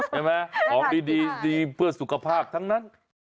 ใช่ไหมของดีเพื่อสุขภาพทั้งนั้น